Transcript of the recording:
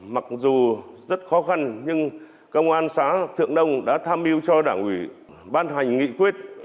mặc dù rất khó khăn nhưng công an xã thượng nông đã tham mưu cho đảng ủy ban hành nghị quyết